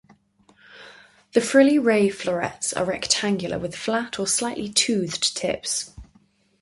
The frilly ray florets are rectangular with flat or slightly toothed tips.